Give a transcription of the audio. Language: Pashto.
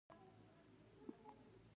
د خلکو درناوی ډېر کم کړ.